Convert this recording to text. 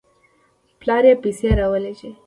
پلار یې پیسې راولېږلې.